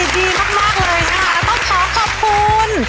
ดีมากเลยครับแล้วก็ขอขอบคุณ